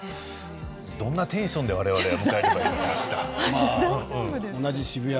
どんなテンションで我々迎えればいいのか。